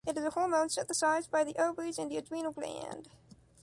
It is a hormone synthesized by the ovaries and the adrenal gland.